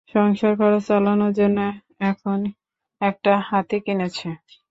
সংসার খরচ চালানোর জন্য এখন একটা হাতি কিনেছে।